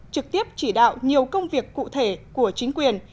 trực tiếp chỉ đạo nhiều công việc cụ thể của chính quyền